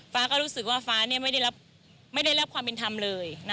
ฟ้าก็รู้สึกว่าฟ้าไม่ได้รับความเป็นธรรมเลย